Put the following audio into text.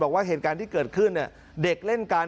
บอกว่าเหตุการณ์ที่เกิดขึ้นเด็กเล่นกัน